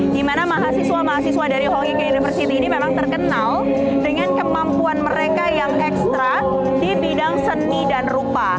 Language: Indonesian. dimana mahasiswa mahasiswa dari holying university ini memang terkenal dengan kemampuan mereka yang ekstra di bidang seni dan rupa